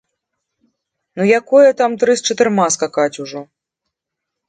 Ну якое там тры з чатырма скакаць ужо.